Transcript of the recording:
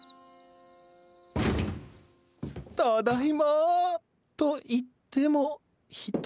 「ただいま」と言っても一人。